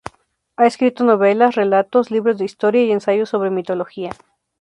Ha escrito novelas, relatos, libros de historia y ensayos sobre mitología.